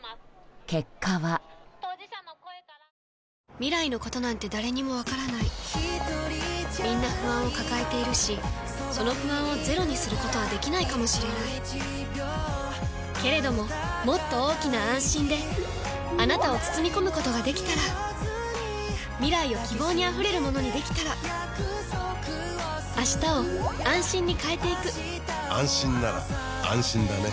未来のことなんて誰にもわからないみんな不安を抱えているしその不安をゼロにすることはできないかもしれないけれどももっと大きな「あんしん」であなたを包み込むことができたら未来を希望にあふれるものにできたら変わりつづける世界に、「あんしん」を。